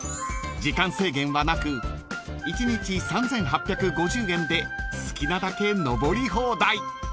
［時間制限はなく一日３，８５０円で好きなだけ登り放題］